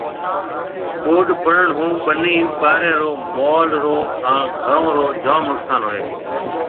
ٻوڏ پڙڻ ھون ٻني ٻارَي رو، مال رو ھان گھرون رو جام نقصان ھوئيَ ھيََََ